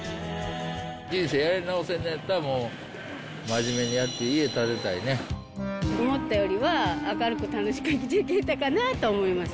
人生やり直せるんやったら、もう、思ったよりは明るく楽しく、生きてこれたかなと思います。